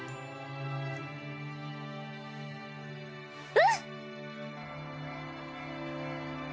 うん。